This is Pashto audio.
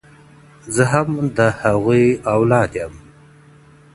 زه هم د هغوی اولاد يم.